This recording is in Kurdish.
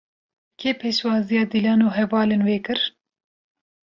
Kê pêşwaziya Dîlan û hevalên wê kir?